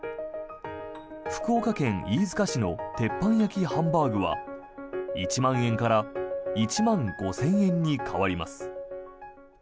福岡県飯塚市の鉄板焼きハンバーグは１万円から１万５０００円に変わります。